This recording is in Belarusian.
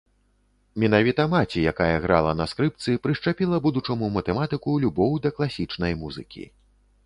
Менавіта маці, якая грала на скрыпцы, прышчапіла будучаму матэматыку любоў да класічнай музыкі.